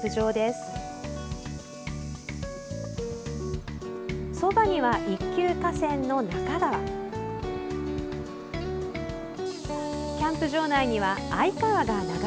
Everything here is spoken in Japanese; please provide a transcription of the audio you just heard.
そばには、一級河川の那珂川。